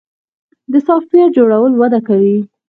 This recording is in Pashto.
د سافټویر جوړول وده کوي